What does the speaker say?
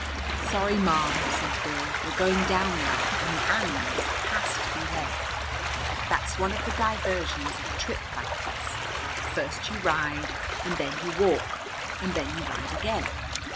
"Sorry, ma'am," said Bill. "We're going down now, and the animals has to be led. That's one of the diversions of a trip like this. First you ride and than you walk. And then you ride again.